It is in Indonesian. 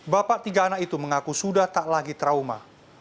bapak tiga anak itu mengaku sudah tak lagi trauma